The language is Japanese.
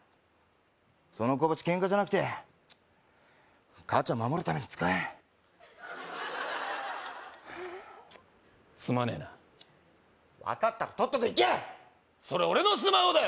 その拳ケンカじゃなくてチッ母ちゃん守るために使えすまねえな分かったらとっとと行けそれ俺のスマホだよ